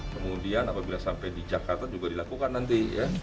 kemudian apabila sampai di jakarta juga dilakukan nanti